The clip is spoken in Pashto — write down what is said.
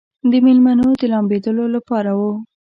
د مېلمنو د لامبېدلو لپاره و.